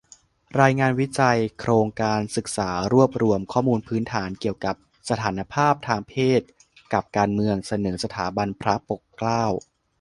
รายงานวิจัย โครงการศึกษารวบรวมข้อมูลพื้นฐานเกี่ยวกับสถานภาพทางเพศกับการเมือง - เสนอ สถาบันพระปกเกล้า